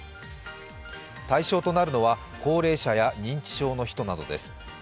対象となるのは高齢者や認知症の人などです。